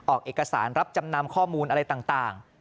ออกเอกสารรับจำนำข้อมูลอะไรต่าง